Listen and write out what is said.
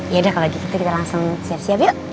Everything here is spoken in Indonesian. yaudah kalau gitu kita langsung siap siap yuk